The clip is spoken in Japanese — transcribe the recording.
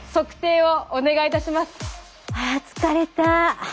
あ疲れた。